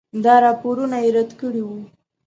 دا راپورونه یې رد کړي وو.